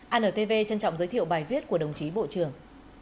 antv trân trọng giới thiệu bài viết của đồng chí bộ trưởng